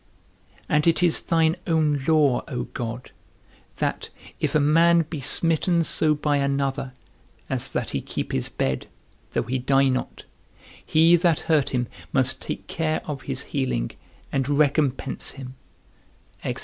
And it is thine own law, O God, that _if a man be smitten so by another, as that he keep his bed, though he die not, he that hurt him must take care of his healing, and recompense him_.